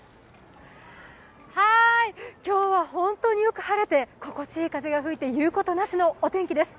今日は本当によく晴れて心地いい風が吹いて言うことなしのお天気です。